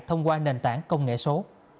thông qua nền tảng công nghệ số